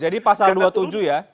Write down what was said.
jadi pasal dua puluh tujuh ya